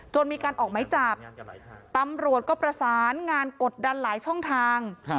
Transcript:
มีการออกไม้จับตำรวจก็ประสานงานกดดันหลายช่องทาง